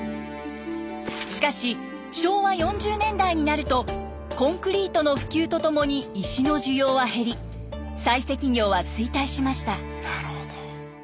しかし昭和４０年代になるとコンクリートの普及とともに石の需要は減り採石業は衰退しました。